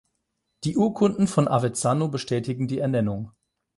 Die Urkunden von Avezzano bestätigen die Ernennung.